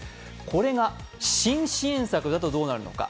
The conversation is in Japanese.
これが新支援策だとどうなるのか。